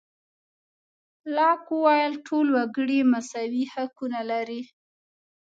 لاک وویل ټول وګړي مساوي حقونه لري.